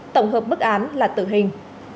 tổng hợp mức án là tử hình